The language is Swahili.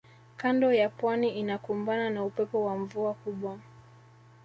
kando ya pwani inakumbana na upepo wa mvua kubwa